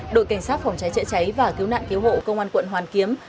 đội cảnh sát phòng cháy chữa cháy và cứu nạn cứu hộ công an quận hoàn kiếm